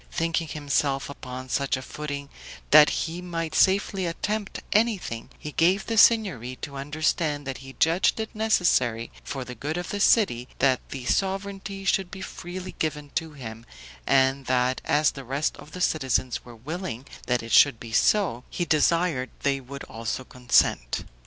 Thinking himself upon such a footing that he might safely attempt anything, he gave the Signory to understand that he judged it necessary for the good of the city, that the sovereignty should be freely given to him, and that as the rest of the citizens were willing that it should be so, he desired they would also consent.